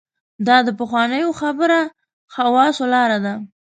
دا د پخوانو خبره خواصو لاره ده.